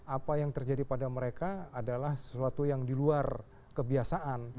apa yang terjadi pada mereka adalah sesuatu yang di luar kebiasaan